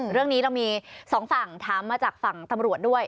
เรื่องนี้เรามีสองฝั่งถามมาจากฝั่งตำรวจด้วย